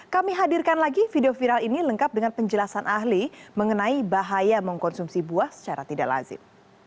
kami hadirkan lagi video viral ini lengkap dengan penjelasan ahli mengenai bahaya mengkonsumsi buah secara tidak lazim